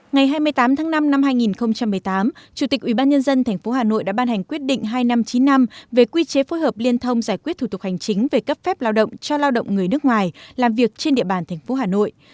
ngày hai mươi tám tháng năm năm hai nghìn một mươi tám chủ tịch ubnd tp hà nội đã ban hành quyết định hai nghìn năm trăm chín mươi năm về quy chế phối hợp liên thông giải quyết thủ tục hành chính về cấp phép lao động cho lao động người nước ngoài làm việc trên địa bàn tp hà nội